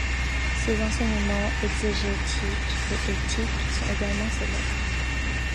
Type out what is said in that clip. Ses enseignements exégétiques et éthiques sont également célèbres.